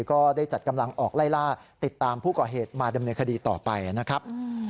ก็ได้จัดกำลังออกไล่ล่าติดตามผู้ก่อเหตุมาดำเนินคดีต่อไปนะครับ